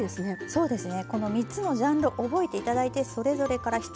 そうですね。